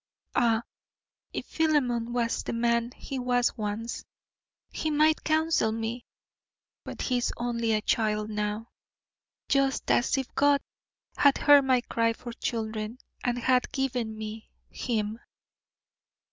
Ah, if Philemon was the man he was once, he might counsel me, but he is only a child now; just as if God had heard my cry for children and had given me HIM.